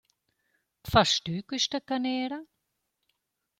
«Fast tü quista canera?